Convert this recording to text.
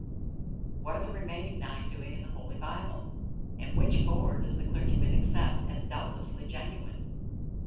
What are the remaining nine doing in the Holy Bible? And which 'four' does the clergyman accept as doubtlessly "genuine?"